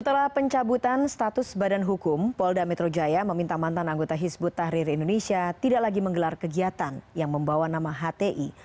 setelah pencabutan status badan hukum polda metro jaya meminta mantan anggota hizbut tahrir indonesia tidak lagi menggelar kegiatan yang membawa nama hti